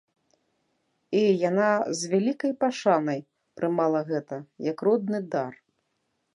І яна, з вялікай пашанай, прымала гэта, як родны дар.